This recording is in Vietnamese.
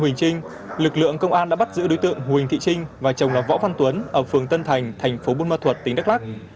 huỳnh trinh lực lượng công an đã bắt giữ đối tượng huỳnh thị trinh và chồng là võ văn tuấn ở phường tân thành thành phố buôn ma thuật tỉnh đắk lắc